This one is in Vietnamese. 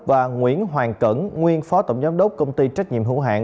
và nguyễn hoàng cẩn nguyên phó tổng giám đốc công ty trách nhiệm hữu hạng